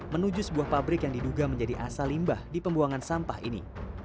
menuju sebuah pabrik yang diduga menjadi asal limbah di pembuangan sampah ini